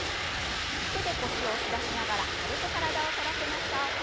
手で腰を押し出しながら軽く体を反らせましょう。